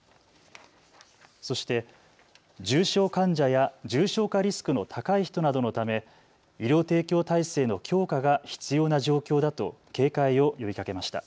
そして重症患者や重症化リスクの高い人などのため医療提供体制の強化が必要な状況だと警戒を呼びかけました。